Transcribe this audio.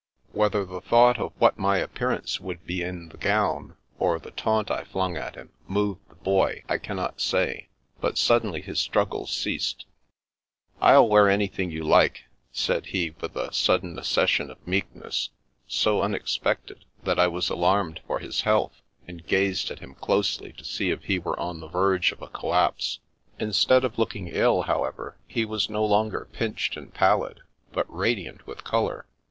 Whether the thought of what my appearance would be in the gown, or the taunt I flung at him, moved the Boy, I cannot say, but suddenly his struggles ceased. " I'll wear anything you like," said he with a sud den accession of meekness, so unexpected that I was alarmed for his health, and gazed at him closely to see if he were on the verge of a collapse. In stead of looking ill, however, he was no longer pinched and pallid, but radiant with colour.